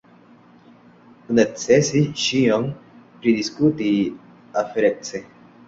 Necesis ĉion pridiskuti aferece.